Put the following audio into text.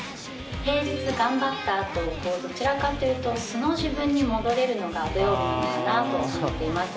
平日頑張ったあと、どちらかというと素の自分に戻れるのが土曜日なのかなと思っています。